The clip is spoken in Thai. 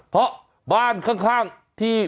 เพราะบ้านข้างที่